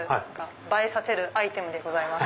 映えさせるアイテムでございます。